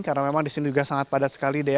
karena memang di sini juga sangat padat sekali